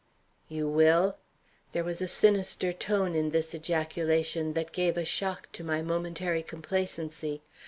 "You will?" There was a sinister tone in this ejaculation that gave a shock to my momentary complacency.